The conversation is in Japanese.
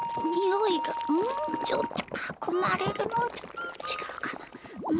んちょっとかこまれるのはちょっとちがうかな。